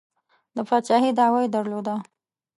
د پاچهي دعوه یې درلوده.